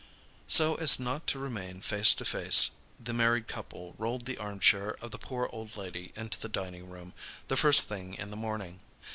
So as not to remain face to face, the married couple rolled the armchair of the poor old lady into the dining room, the first thing in the morning.